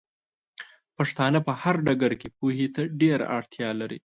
پښتانۀ په هر ډګر کې پوهې ته ډېره اړتيا لري